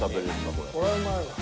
これうまいわ。